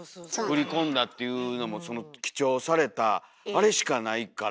振り込んだというのも記帳されたあれしかないから。